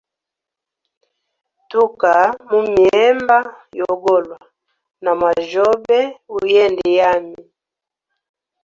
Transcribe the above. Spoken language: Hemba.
Tuka mumihemba yogolwa na mwajyobe uyende yami.